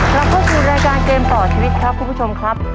ครับพบกันรายการเกมต่อชีวิตครับคุณผู้ชมครับ